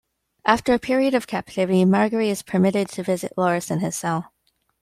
After a period of captivity, Margaery is permitted to visit Loras in his cell.